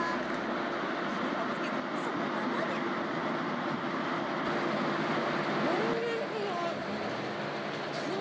タレはつけずそのままで全然違う！